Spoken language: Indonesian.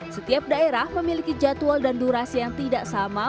setiap daerah memiliki jadwal dan durasi yang tidak sama